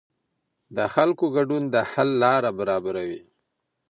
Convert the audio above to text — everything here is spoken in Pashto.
د خلکو ګډون د حل لاره برابروي